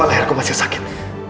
kenapa leherku masih sakit